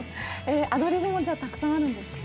アドリブもたくさんあるんですか？